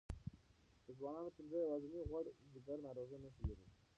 د ځوانانو پنځه یوازینۍ د غوړ ځیګر ناروغۍ نښې لري.